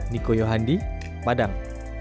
niko yohandi padang